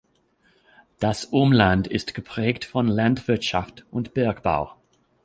Das Umland ist geprägt von Landwirtschaft und Bergbau.